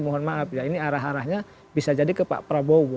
mohon maaf ya ini arah arahnya bisa jadi ke pak prabowo